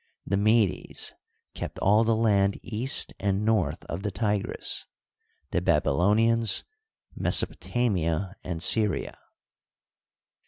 The Medes kept all the land east and north of the Tigris, the Baby lonians Mesopotamia and Syria.